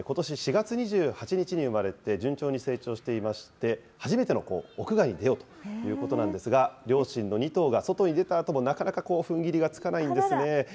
４月２８日に生まれて順調に成長していまして、初めての屋外に出ようということなんですが、両親の２頭が外に出たあとも、なかなかふんぎりがつかないんですね。